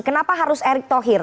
kenapa harus erick thohir